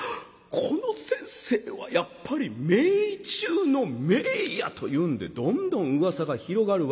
この先生はやっぱり名医中の名医やというんでどんどんうわさが広がるわけでございます。